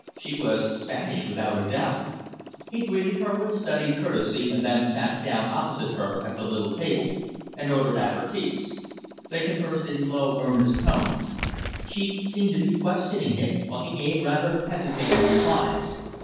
She was Spanish, without a doubt. He greeted her with studied courtesy and then sat down opposite her at the little table and ordered apératifs. They conversed together in low, earnest tones. She seemed to be questioning him, while he gave rather hesitating replies.